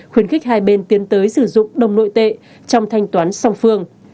khuyến khích hai bên tiến tới sử dụng đồng nội tệ trong thanh toán song phương